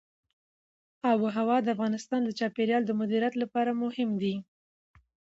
آب وهوا د افغانستان د چاپیریال د مدیریت لپاره مهم دي.